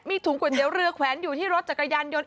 มีถุงก๋วยเตี๋ยวเรือแขวนอยู่ที่รถจักรยานยนต์